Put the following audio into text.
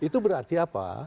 itu berarti apa